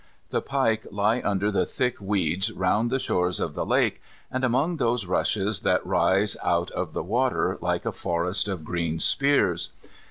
The pike lie under the thick weeds round the shores of the lake, and among those rushes that rise out of the water like a forest of green spears.